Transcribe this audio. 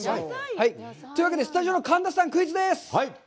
というわけで、スタジオの神田さん、クイズです！